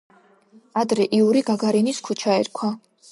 ადრე იური გაგარინის ქუჩა ერქვა.